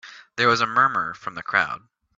There was a murmur from the crowd.